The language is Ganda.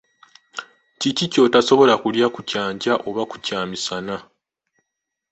Kiki ky'otasobola kulya ku kyankya oba kyamisana?